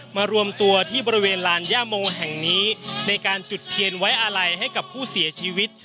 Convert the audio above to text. มารวมตัวที่บริเวณลานย่าโมแห่งนี้ในการจุดเทียนไว้อาลัยให้กับผู้เสียชีวิต